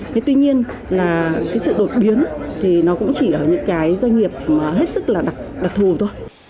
thế tuy nhiên là cái sự đột biến thì nó cũng chỉ là những cái doanh nghiệp hết sức là đặc thù thôi